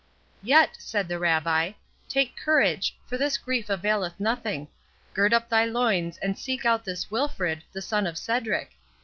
"Yet," said the Rabbi, "take courage, for this grief availeth nothing. Gird up thy loins, and seek out this Wilfred, the son of Cedric.